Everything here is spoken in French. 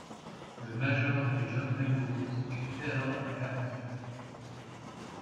Le major et John Mangles écoutaient alors avec attention.